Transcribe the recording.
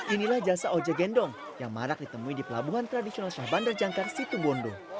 inilah jasa ojek gendong yang marak ditemui di pelabuhan tradisional syah bandar jangkar situbondo